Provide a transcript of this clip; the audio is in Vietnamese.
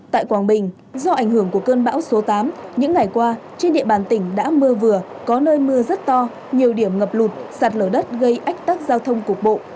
tại quảng bình do ảnh hưởng của cơn bão số tám những ngày qua trên địa bàn tỉnh đã mưa vừa có nơi mưa rất to nhiều điểm ngập lụt sạt lở đất gây ách tắc giao thông cục bộ